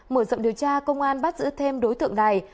mở rộng điều tra công an bắt giữ thêm đối tượng này